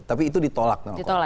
tapi itu ditolak